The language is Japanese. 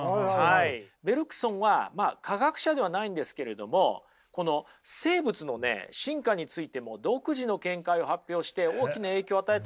ベルクソンは科学者ではないんですけれどもこの生物のね進化についても独自の見解を発表して大きな影響を与えたんですよ。